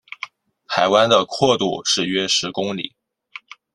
海湾的阔度是约十公里。